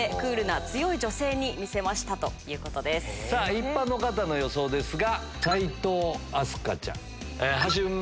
一般の方の予想ですが。